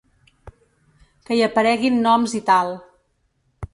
Que hi apareguin noms i tal.